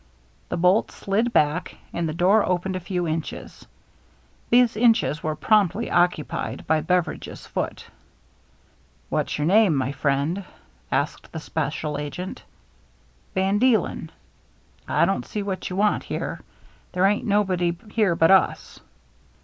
The bolt slid back, and the door opened a few inches. These inches were promptly occupied by Beveridge's foot. " What's your name, my friend ?" asked the special agent. 324 THE MERRr ANNE " Van Declen. I don't see what you want here. There ain't nobody here but us."